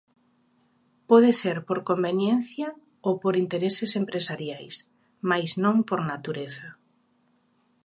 Pode ser por conveniencia ou por intereses empresariais, mais non por natureza.